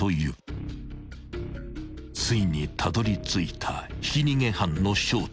［ついにたどりついたひき逃げ犯の正体］